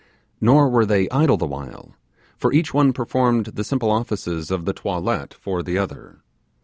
Nor were they idle the while, for each one performed the simple offices of the toilette for the other.